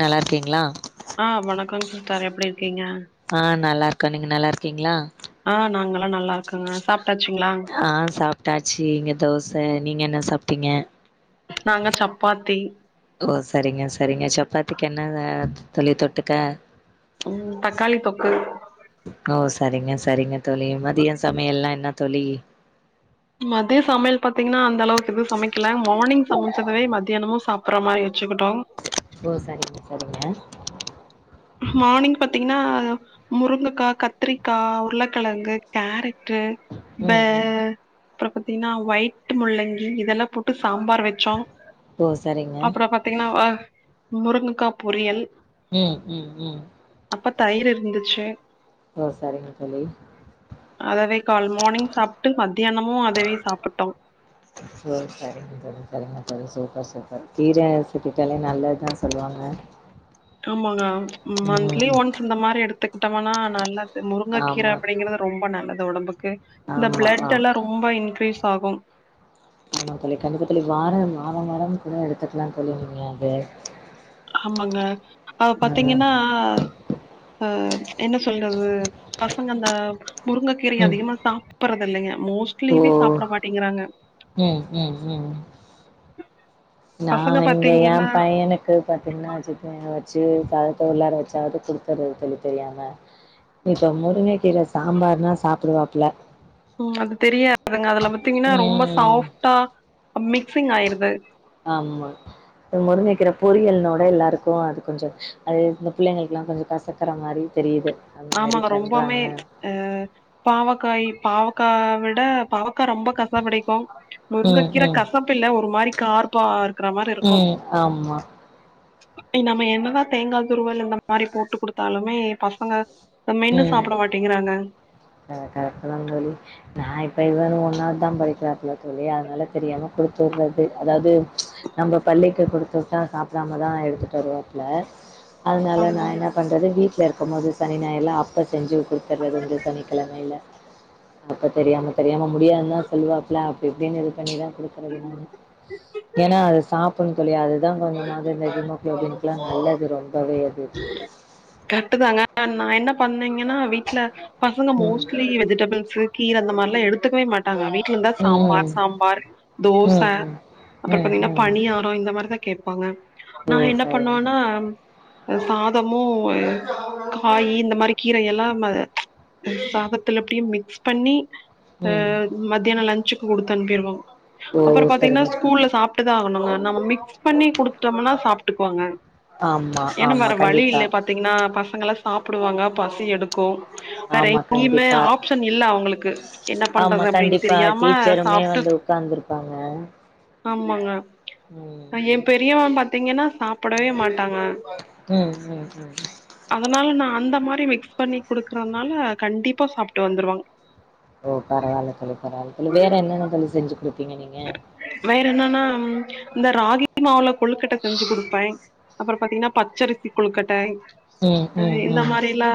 நல்லா இருக்கீங்களா ஆ வணக்கங் சிஸ்டர் எப்டி இருக்கீங்க ஆ நல்லாருக்கோ நீங்க நல்லா இருக்கீங்களா ஆ நாங்கெல்லா நல்லா இருக்கங்க சாப்டாச்சுங்களா ஆ சாப் ட்டாச்சி இங்க தோச நீங்க என்ன சாப்ட்டீங்க நாங்க சப்பாத்தி ஓ சரிங்க சரிங்க சப்பாத்திக்கு என்ன தோழி தொட்டுக்க தக்காளி தொக்கு ஓ சரிங்க சரிங்க தோழி மதியோ சமையல்லா என்ன தோழி மதியம் சமையல் பாத்தீங்கனா அந்த அளவுக்கு எது சமைக்கல மார்னிங் சமைச்சத மத்தியானமு சாப் ப்புற மாரி வெச்சுக்கிட்டோ ஓ சரிங்க சரிங்க மானிங் பாத்தீங்கனா முருங்கக்கா கத்திரிக்கா உருளக்கிழங்கு கேரட்டு பே ம் ம் அப்புறோ பாத்தீங்கனா ஒயிட்டு முள்ளங்கி இதெல்லா போட்டு சாம்பார் வெச்சோ தோ சரிங்க பாத்தீங்கனா ஓ முருங்கக்கா பொரியல் ம் ம் ம் அப்ப தயிர் இருந்துச்சு ஓ சரிங்க தோழி அதவே கால் மானிங் சாப்ட்டு மத்தியானமு அதவே சாப்புட்டோ சரி சரி சரி சரிங்க தோழி சூப்பர் சூப்பர் கீர [unintelligible] நல்லத்தா சொல்லுவாங்க ஆமாங்க மந்த்லி ம் ஒன்ஸ் இந்த மாரி எடுத்துக்ட்டம்னா நல்லது முருங்கக்கீர ஆமா அப்டிங்கறது ரொம்ப நல்லது ஒடம்புக்கு இந்த ஆமா ஆ பிளட் எல்லா ரொம்போ இன்கிரீஸ் ஆகும் ஆமா தோழி கண்டிப்பா தோழி வாரம் வாரோ வாரோ கூட எடுத்துக்கலா தோழி நீங்க அது ஆமாங்க அத அது ஆ பாத்தீங்கன்னா அ என்ன சொல்றது பசங்க அந்த முருங்கைக்கீரைய ம் அதிகமா சாப் சாப்றது இல்லிங்க ஓ மோஸ்ட்லிவே சாப்பட மாட்டேங்கிறாங்க ம் ம் ம் நா பசங்க இங்க ஏ பாத்தீங்கன்னா பையனுக் போயி பாத்தீங்ன்னா சிப்போ எங்க வெச்சி பழத்த உள்ளார வெச்சாவது குடுத்தறது தோழி தெரியாம இப்ப முருங்கைகீர சாம்பார்னா சாப்புடுவாப்ல ம் அது தெரியாதுங்க அதுல பாத்தீங்ன்னா ரொம்ப ம் சாஃப்டா மிக்சிங் ஆயிருது ஆமா முருங்கைக்கீரை பொறியல்னோட எல்லாருக்கோ அது கொஞ்சோ அது இந்த பிள்ளைங்களுக்கல்லா கொஞ்சோ கசக்குற மாரி தெரியுது அந்த மாரி ஆமாங்க ரொம்பமயமே பண்றாங்க அ பாவக்காய் பாவக்கா விட பாவக்கா ரொம்ப கசப் கடிக்கு ம் முருங்கைக்கீரை ம் கசப்பு இல்ல ஒரு மாரி கார்ப்பா இருக் இருக்கற மாரி இருக்கோ ம் ஆமா படி நம்ம என்னதா தேங்காய் துருவல் இந்த மாரி போட்டு குடுத்தாலுமே பசங்க இத மென்னு சாப்புட மாட்டேங்கிறாங்க ஆ கரட்டுதா தோழி நா இப்ப இவனு ஒண்ணாவதுதா படிக்கிறாப்புல தோழி அதனால தெரியாம குடுத்துடுறது அதாவது நம்ம பள்ளிக்கு குடுத்து விட்டா சாப்பிடாமதா எடுத்துட்டு வருவாப்புல அதனால நா ஆமாங்க என்ன பண்றது வீட்ல இருக்கும் போது சனி ஞாயிறுல அப்ப செஞ்சி குடுத்துறது சனிக்கெழமையில அப்ப தெரியாம தெரியாம முடியாதுன்னுதா சொல்லுவாப்புல அப்ப இப்டீன்னு இது பண்ணிதா குடுக்குறது நானு ஏன்னா அது சாப்புட்னோ தோழி அதுதா கொஞ்சமாது இந்த ஹிமோகுளோபினுக்குல்லா நல்லது ரொம்பவே அது கரட்டு தாங்க நா என்ன பண்ணீங்ன்னா வீட்ல பசங்க ம் மோஸ்ட்லி வெஜிடேபிள்ஸு கீர அந்தமாரிலா எடுத்துக்கவே மாட் டாங்க வீட்ல இருந்தா ம் சாம்பார் சாம்பார் தோச ம் ம் அப்புறோ ம் பாத்தீங்கன்னா ம் பனியா ரோ இந்த மாதிரிதா கேப்பாங்க நா ஓ என்ன சரிங்க பண்ணுவேனா சாதமோ காயி இந்த மாரி கீரை எல்லா சாதத்துல எப்டியே மிக்ஸ் பண்ணி அ ம் மத்தியானோ லஞ்சுக்கு குடுத்து அனுப்பிடுவோ ஓ அப்புறோ பாத்தீங்கன்னா சரிங்க சரிங்க ஸ்கூல்ல சாப்ட்டுதா ஆகணோங்க நம்ம மிக்ஸ் பண்ணி குடுத்துட்டோம்னா சாப்ட்டுக்குவாங்க ஆமா ஏன்னா ஆமா வேற வழி கண்டிப்பா இல்ல பாத்தீங்கன்னா பசங்கலா சாப்புடுவாங்க பசி எடுக்கோ வேற ஆமா எங்கேயுமே கண்டிப்பா ஆப்ஷன் இல்ல அவுங்குளுக்கு என்ன பண்றது அப்டீன்னு தெரியாம சாப்ட்டு ஒக்காந்துருப்பாங்க ஆமாங்க ஏ பெரியவ பாத்தீங்கன்னா சாப்புடவே மாட்டாங்க உம் உம் உம் அதனால நா அந்த மாரி மிக்ஸ் பண்ணி குடுக்குறதுனால கண்டிப்பா சாப்ட்டு வந்துருவாங்க ஓ பரவால்ல தோழி பரவால்ல தோழி வேற என்னென்ன தோழி செஞ்சி குடுப்பீங்க நீங்க வேற என்னன்னா இந்த ராகி மாவுல கொழுக்கட்ட செஞ்சு குடுப்பே அப்புறோ பாத்தீங்கன்னா பச்சரிசி கொழுக்கட்டை ம் ம் இந்த ம் மாரி ல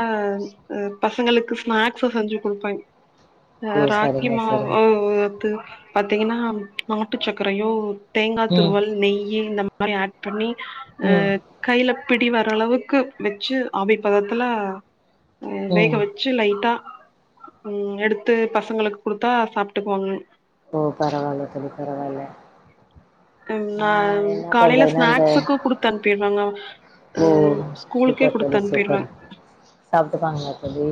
பசங்களுக்கு ஸ்நாக்ஸு செஞ்சு குடுப்பே அ ஓ ராகி சரிங்க மாவு சரிங்க ஓட் பாத்தீங்கன்னா நாட்டு சக்கரையூ தேங்காய் ம் துருவல் நெய்யி இந்த மாரி ஆட் பண்ணி அ ம் கையில பிடி வர்ர அளவுக்கு வெச்சு ஆவிப்பதத்துல வேக ம் வெச் சு லைட்டா உ எடுத்து பசங்குளுக்கு குடுத்தா சாப்ட்டுக்குவாங்க ஓ பரவால்ல தோழி பரவால்ல ம் நா என்ன காலைல பண்றதுன்னா இந்த ஸ்நாக்ஸுக்கு குடுத்து அனுப்பிர்வேங்க அ ஓ ஸ்கூலுக்கே சூப்பர் தோழி சூப்பர் குடுத்தனுப்பிர்வேன் சாப்ட்டுப்பாங்களா தொழி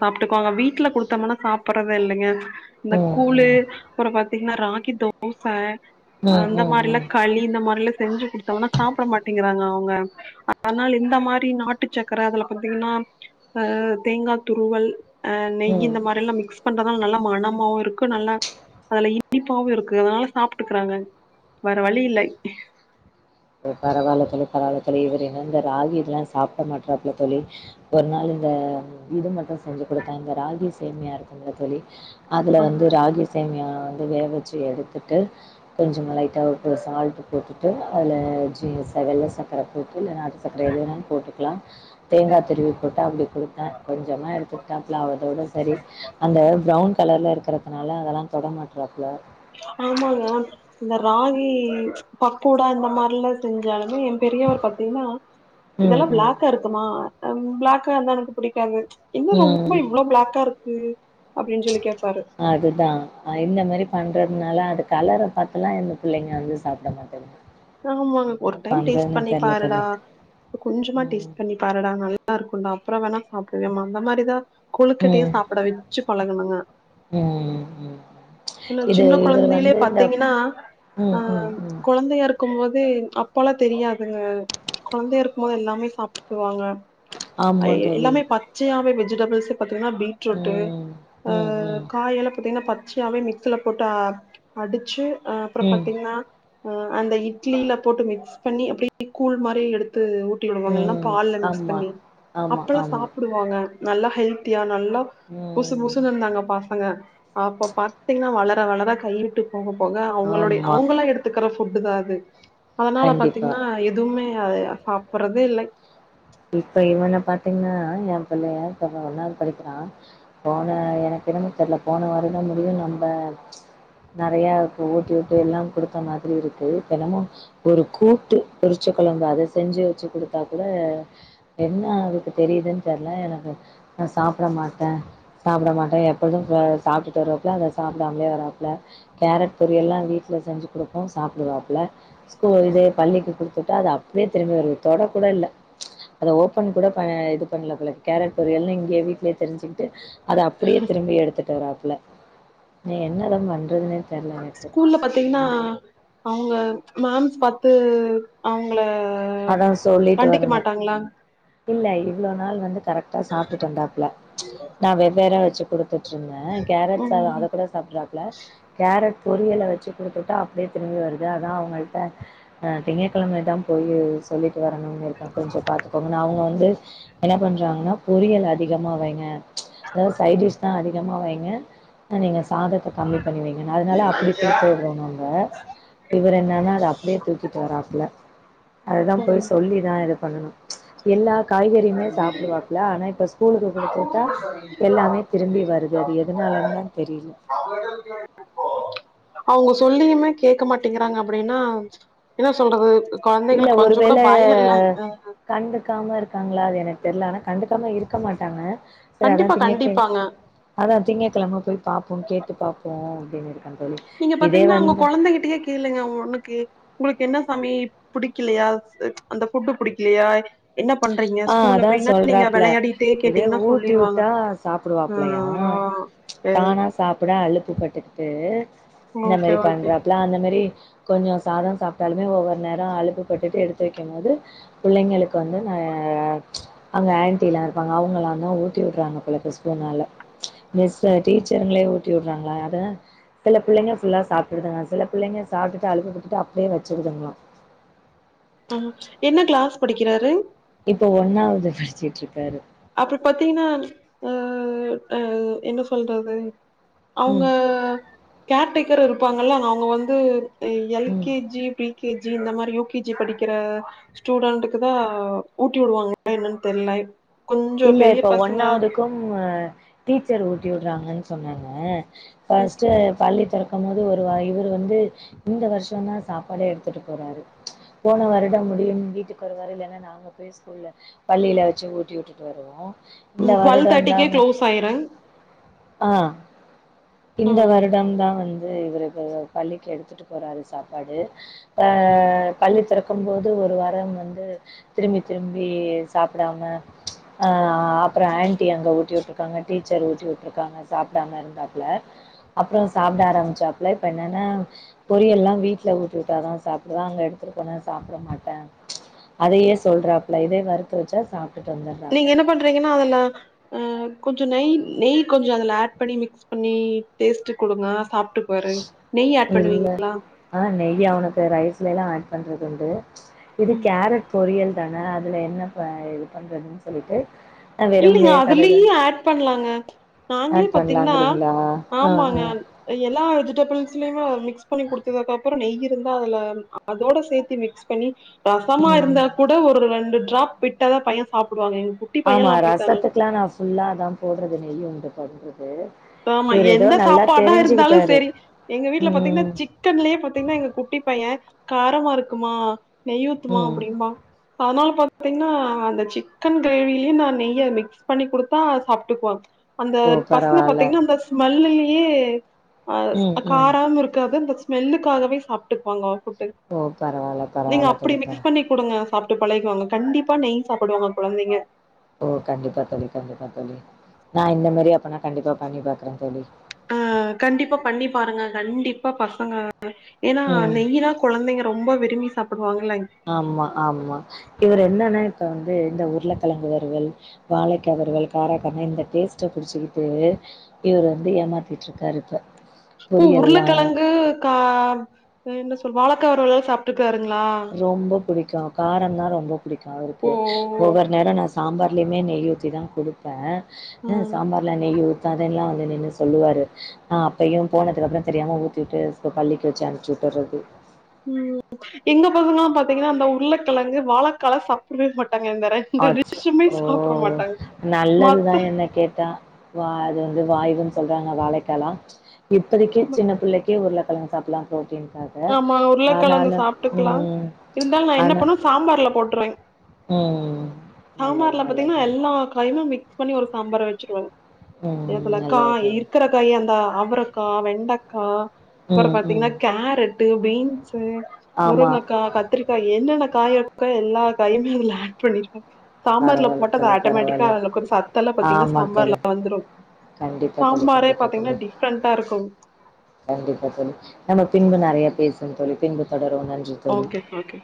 சாப்ட்டுக்குவாங்க வீட்டுல குடுத்தோம்னா சாப்டறதே இல்லைங்க இந்த ம் கூலு ம் ஒரு ப பத்தீங்கன்னா ராகி தோச ம் அந்த ம் ம் மாரில்லா களி இந்த மாதிரில்லாம் செஞ்சு குடுத்து டோனா சாப்ட மாட்டேங்றாங்க அவுங்க அதனால இந்த மாரி நாட்டு சக்கர அதுல பாத்தீங்கன்னா அ தேங்கா துருவல் அ நெய் ம். இந்த மாரில்லா மிக்ஸ் பண்றனால நல்ல மனமாவும் இருக்கு நல்ல அதுல இனிப்பாவு இருக்கு அதனால சாப்ட்டுக்கறாங்க வேற வழி இல்லை பரவால்ல தொழி பரவால்ல தொழி இவர்ரு என்ன இந்த ராகி இதெல்லா சாப்ட மாட்டறாப்புல தொழி ஒரு நாள் இந்த இது மட்டு செஞ்சு குடுத்தா இந்த ராகி சேமியா இருக்குங்கள தோழி அதுல ஆமா வந்து ராகி சேமியா வந்து வே வச்சு எடுத்துட்டு கொஞ்சமா லைட்டா ஒரு சால்ட்டு போட்டுட்டு அத்ல ஜீன்ஸ் வெள்ள சக்கர போட்டு இல்ல நாட்டு சக்கர எது வேணாலு போட்டுக்கலா தேங்கா திருவி போட்டு அப்டி குடுத்தே கொஞ்சமா எடுத்துக்கிட்டாப்ல அதோட சரி அந்த ப்ரவுன் கலர்ல இருக்கிறதுனால அதெல்லா தொட மாட்றாப்ல ஆமாங்க இந்த ராகி பக்கோடா இந்த மாதிரில்லா செஞ்சாலு எ பெரியவர் பத்தீங்கன்னா ம், இதெல்லா ம், பிளாக்கா இருக்குமா பிளாக்கா இருந்தா எனக்கு புடிக்காது இன்ன ரொம்ப ம். இவ்ளோ ப்ளாக்கா இருக் இது அப்டின்னு சொல்லி கேப்பாரு அதுதா இந்த மாரி பண்றதுனால அது கலர பாத்துலா இந்த பிள்ளங்க வந்து சாப்ட மாட்டாங்க [unintelligible] ஆமாங்க ஒரு டைம் டேஸ்ட் பண்ணிப்பாருடா தோழி. கொஞ்சமா ம். டேஸ்ட் பண்ணி பாரடா நல்லா இருக்குண்டா அப்ற வேணா சாப்டுவேமா அந்த மாரிதா கொழுக்கட்டய சாப்ட வச்சு பழகணுங்க உம் இவ்ளோ சின்ன கொழந்தயிலே வந்து இந்த பாத்தீங்கன்னா ஆ ம். ம். ம். கொழந்தயார்க் க்கும் போது அப்பல்லா தெரியாதுங்க கொழந்தயா இருக்குபோது எல்லாமே சாப்டுக்குவாங்க ஐ ஆமா தோழி. எல்லாமே பச்சயாவே வெஜிடபிள்ஸே பாத்தீங்கன்னா பீ ட்ருட்டு ம். அ ம். ம். காய எல்லா பத்தீங்கன்னா பத் ச்சாவே மிக்சில போட்டு அடுச்சு அப்றோ ம். பாத்தீங்கன்னா அந்த இ ட்லில போட்டு மிக்ஸ் பண்ணி அப்டியே கூழ் மாரி எடுத்து ஊ டிவிடுவாங்க இல்லன்னா ம். பால்ல மிக்ஸ் ஆமா. பண்ணி ஆமா, அப்பல்லா ஆமா. சாப்டு வாங்க நல்லா ஹெல்த்தியா நல்லா புசு ம். புசுன்னு இர்ந்தாங்க பசங்க அப்ப பாத்தீங்கன்னா வளர வளர கைவுட்டு போக போக அவுங்களுடைய ஆமா. அவுங்களா எடுத் த்துக்கற ஃபுட்டு் தா அது அதனால கண்டிப்பா. பாத்தீங்கன்னா எதுவுமே அ சாப்டறதில்லே இப்ப இவென பாத்தீங்கன்னா எ புள்ளய இப்பதா ஒன்னாது படிக்கிறா போன எனக்கு என்னமோ தெர்ல போன வாரோ தா முடியு நம்ப நெறய இப்ப ஊட்டி வுட்டு எல்லா குடுத்த மாதிரி இருக்கு இப்பென்னமொ ஒரு கூட்டு பொருச்சக்கொழம்பு அத செஞ்சு வச்சு குடுத்தா கூட என்னா அதுக்கு தெரியுதுன்னு தெரியல எனக்கு நா சாப்ட மாட்டே சாப்ட மாட்டே எப்போது சாப்ட்டுட்டு வருவாப்ல அத சாப்டாமலே வருவாப்ல கேரட் பொரியெல்லா வீட்ல செஞ்சு குடுப்போ சாப்டுவாப்ல ஸ்கூல் இதயே பள்ளிக்கி குடுத்துவிட்டா அது அப்டியே திரும்பி வருது தொட கூட இல்ல அத ஓப்பன் கூட பண இது பண்ணல போல கேரட் பொரியல்னு இங்கயே வீட்லே தெரிஞ்சுகிட்டு அத அப்டியே திரும்பி எடுத்துட்டு வராப்ல நா என்னதா பண்றதுன்னே ஸ்கூல்ல பாத்தீங்கனா அவுங்க மேம் பாத்து அவுங்கள அதா சொல்லிட்டு வரணு இல்ல இவ்ளோ நாள் வந்து கரெக்டா சாப்ட்டுட்டு வந்தாப்ல நா வெவ்வேறா வச்சு குடுத்ட் இருந்தே கேரட் சாதோ ம் ம் அத கூட சாப்டுறாப்ல கேரட் பொரியல வச்சு குடுத்துட்டா அப்டியே திரும்பி வருது அதா அவுங்கள்ட்ட ஆ திங்ககிழம தா போயி சொல்லிட்டு வரணும்னு இருக்கே கொஞ்சோ பாத்து போகணு அவுங்க வந்து என்ன பண்றாங்கனா பொறியல் அதிகமா வைங்க அதாவது சைட் டிஷ்னா அதிகமா வைங்க நீங்க ஸ் சாதத்த கம்மி பண்ணி வைங்கனு அதனால அப்டி குடுத்து விடுறோ நாங்க இவர் என்னன்னா அத அப்டியே தூக்கிட்டு வராப்ல அதுதா போய் சொல்லிதா இது பண்ணணு எல்லா காய்கறியுமே சாப்டுவாப்ல ஆனா இப்ப ஸ்கூலுக்கு குடுத்துவிட்டா எல்லாமே திரும்பி வருது அது எதனாலந் தா தெரில அவுங்க்கிட்ட கேட்டு போ அவுங்க சொல்லியுமே கேக்க மாட்டேங்றாங்க அப்டினா என்ன சொல்றது இல்ல கொழந்தங்களுக்கு கொஞ்சோ கூட ஒருவேளை பயோ இல்லைங் கண்டுக்காம இருக்காங்களா அது எனக் தெரில ஆனா கண்டுக்காம இருக்க மாட்டாங்க சரி அதா கண்டிப்பா திங்ககே கண்டிப்பாங்க அதா திங்ககிழம போய் பாப்போ கேட்டு பாப்போ அப்டின் இருக்கே தோழி நீங்க இதே பாத்தீங்கனா ஒங்க வந்து கொழந்தகிட்டே கேளுங்க ஒண்ணுக்கு ஒங்களுக்கு என்ன சாமி புடிக்கிலயா அந்த ஃபுட்டு புடிக்கிலயா என்ன பண்றீங்க ஆ ஸ்கூல்ல அதா அப்டீனா நீங்க சொல்றாப்ல வெளயாடிட்டே இது கேட்டீங்கன்னா ஊட்டி சொல்லிருவாங்க வுட்டா இ சாப்டுவாப்லயா ஆ வேல் தானா சாப்ட அளுப்பு பட்டுக்கிட்டு இந்த ஓகே மாரி ஓகே பண்றாப்ல அந்த மாரி கொஞ்சோ சாதோ சாப்ட்டாலுமே ஒவ்வொரு நேரோ அளுப்புப்பட்டுட்டு எடுத்து வைக்குபோது புள்ளைங்களுக்கு வந்து நா அ அங்க ஆன்டில்லா இருப்பாங்க அவங்களா தா ஊட்டி விட்றாங்க போல இப்ப ஸ்பூனால மிஸ் டீச்சருங்களே ஊட்டி விடுறாங்களா அது சில பிள்ளேங்க ஃபுல்லா சாப்டுருதுங்க சில பிள்ளைங்க சாப்டுட்டு அழுப்புப்பட்டுட்டு அப்படியே வச்சிருதுங்களா ஆஹா என்ன கிளாஸ் படிக்கிறாரு இப்ப ஒன்னாவது படிச்சிட்டு இருக்காரு அப்டி பாத்தீங்கன்னா அ அ என்ன சொல்றது அவங்க ம் கேர்டேக்கரு இருப்பாங்கள்ள அவங்க வந்து எல் ம் கே ஜி இப்டி யு கே ஜி இந்த மாரி யு கே ஜி படிக்கிற ஸ்டூடெண்ட்டுக்கு தா ஊட்டி விடுவாங்களா என்னனு தெர்ல கொஞ்சோ இல்ல பெரிய இப்ப பசங்க ஒன்னாவதுக்கும் கூ அ டீச்சர் ஊட்டி உடுறாங்கனு சொன்னாங்க ஃபஸ்டு பள்ளித்திறக் கும் போது ஒரு வா இவர் வந்து இந்த வருஷோந்தா சாப்பாடே எடுத்துட்டு போறாரு போன வருடம் முடியும் வீட்டுக்கு வருவாரு இல்லனா நாங்க போய் ஸ்கூல்ல பள்ளில வச்சு ஊட்டி உட்டு வருவோ இந்த ம் டுவெல் வருடம் தேர்ட்டிக்கே தாங்க க்ளோஸ் ஆயிரு ஆ இந்த ம் வருடம் தா வந்து வந்து இவரு கொஞ்சோ பள்ளிக்கு எடுத்துட்டு போறாரு சாப்பாடு அ பள்ளி தெறக்கும் போது ஒரு வாரம் வந்து திரும்பி திரும்பி சாப்டாம அ அப்றோ ஆன்டி அங்க ஊட்டி உட்டுருக்காங்க டீச்சர் ஊட்டி விட்டுருக்காங்க சாப்டாம இருந்தாப்ல அப்றோ சாப்ட ஆரம்பிச்சாப்பல இப்ப என்னனா பொரியல்லா வீட்ல ஊட்டி விட்டா தா சாப்பிடு தா அங்க எடுத்துட்டு போனா சாப்பிட மாட்டே அதயே சொல்றாப்ல இதே வறுத்து வச்சா சாப் நீங்க என்ன பண்றீங்கன்னா அதுல்லா அ கொஞ்சோ நெய் நெய் கொஞ்சோ அதுல ஆட் பண்ணி மிக்ஸ் பண்ணி டேஸ்ட்டு குடுங்க சாப்டு இல்ல ஆ நெய் அவனுக்கு ரைஸ்லலா ஆட் பண்றது உண்டு இது ம் கேரட் பொரியல் தான அதுல என்ன ப இது பண்றதுனு சொல்லிட்டு ஆ இல்லேங்க வெறும்லயே கடுகு அதுலயு ஆட் பண்லாங்க நாங்களே ஆட் பாத்தீங்னா பண்ணலாங்கிறீங்களா ஆ ஆமாங்க ஆ எல்லா வெஜிடேபுள்ஸ்லயுமே அத மிக்ஸ் பண்ணி குடுத்ததுக்கப்புறோ நெய் இருந்தா அதுல அதோட சேத்து மிக்ஸ் பண்ணி ரசமா ம் இருந்தா ம் கூட ஒரு ரெண்டு ட்ராப் விட்டாதா பையே சாப்டுவாங்க எங்க குட்டி ஆமா பையன்லாம் அப்படித்தாங்க. ரசத்துக்குல்லா நா ஃபுல்லா அதா போடுறது நெய்யுண்டு பருப்புக்கு ஆமா எந்த சாப்பாடா இருந்தாலு செரி எங்க வீட்ல ம் பாத்தீங்கன்னா சி க்கன்லயே பாத்தீங்கன்னா எங்க குட்டி பைய்யே காரமா இருக்குமா நெய் ஊத்துமா ம் அப்டீன்பா அதனால பாத்தீங்கன்னா அந்த சிக்கன் கிரேவிலயு நா நெய்ய மிக்ஸ் பண்ணிக் குடுத்தா சாப்பிட்டுக்குவா அந்த ஓ பச பரவால்ல அந்த ஸ்மெல்லயே ம் அ ம் காராம இருக்காது அந்த ஸ்மெல்லுக்காகவே சாப்டுக்குவாங்க ஆசபட் ஓ பரவால்ல பரவால்ல [unintelligible] குடுங்க சாப்டு பழகிக்குவாங்க கண்டிப்பா நெய் சாப்டுவாங்க கொழந்தைங்க ஓ கண்டிப்பா தோழி கண்டிப்பா தோழி நா இந்த மாரி அப்பனா கண்டிப்பா பண்ணி பாக்குறே தோழி ஆ கண்டிப்பா பண்ணி பாருங்க கண்டிப்பா பசங்க ஏனா ம் நெய்யினா கொழந்தைங்க ரொம்ப விரும்பி சாப்டுவாங்கல்லைங் ஆமா ஆமா இவரு என்னனா இப்ப வந்து இந்த உருள கெழங்கு வருவல் வாழைக்கா வருவல் காரக்கான இந்த டேஸ்ட்ட புடிச்சிக்கிட்டு இவரு வந்து ஏமாத்திட்டு இருக்காரு இப்ப ஓ பொரியல்லாம் உருளக்கெழங்கு கா என்ன சொல் வாழக்கா வருவலெல்லா சாப்டுக்குறாருங்ளா ரொம்ப புடிக்கு காரோ தா ரொம்ப புடிக்கு அவருக்கு ஓ ஒவ்வொரு நேரோ நா சாம்பார்லயுமே நெய் ஊத்தி தா குடுப்பே உ ம் சாம்பார் ல நெய்யி ஊத்தாதனெல்லா வந்து நின்னு சொல்லுவாரு ஆ அப்ப இவ போனதுக்கு அப்பறோ தெரியாம ஊத்திட்டு பள்ளிக்கு வெச்சி அனுப்ச்சு விட்டுர்றது ம் எங்க பசங்கல்லா பாத்தீங்கனா அந்த உருளக்கிழங்கு வாழக்காலா சாப்புடவே மாட்டாங்க இந்தர அச்ச ஓ நல்லதுதா மத்த என்ன கேட்டா வா அது வந்து வாய்வுன்னு சொல்றாங்க வாழக்காலா இப்பதைக்கி சின்ன பிள்ளைக்கு உருளக்கெழங்கு சாப்புல்லா ஃப்ரோட்டீன் காய் ஆமா உருளகெழங்கு சாப்டுக்கலா இந்தாலு நா என்ன பண்ணுவ சாம்பார்ல போட்ருவே ம் ம் ம் சாம்பார்ல பாத்தீங்கன்னா எல்லா காயுமே மிக்ஸ் பண்ணி ஒரு சாம்பாரா வெச்சுருவங்க ம் சிலபலக்கா நல்லது தோழி இருக்குற காயி அந்த அவரக்கா வெண்டக்கா அப்பறோ ம் ம் பாத்தீங்கன்னா கேரட்டு பீன்சு ஆமா முருங்கக்கா கத் திரிக்கா என்னென்ன காயியக்கோ எல்லா காயுமே அதுல ஆட் பண்ணிருவே சாம்பார்ல பரவால்ல போட்டாக்கா தோழி ஆட்டோமேட்டிக்கா பரவால்ல அது ஒரு சத்தெல்லா பாத்தீங்கன்னா ஆமா தோழி சாம்பார்லா வந்துரு கண்டிப்பா தோழி சாம்பாரே கண்டிப்பா பாத்தீங்கன்னா தோழி டிஃப்ரெண்டா இருக்கு கண்டிப்பா தோழி நம்ம பின்பு நெறையா பேசனும் தோழி பின்பு தொடருவோ நன்றி தோழி ஓகே ஓகே